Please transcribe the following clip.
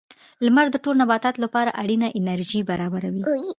• لمر د ټولو نباتاتو لپاره اړینه انرژي برابروي.